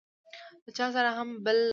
له چا سره هم بل لاټينونه.